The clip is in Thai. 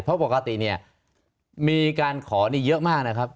เพราะปกติเนี่ยมีการขอนี่เยอะมากนะครับ